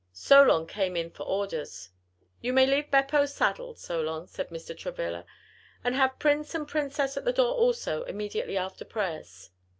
Solon came in for orders. "You may leave Beppo saddled, Solon," said Mr. Travilla, "and have Prince and Princess at the door also, immediately after prayers."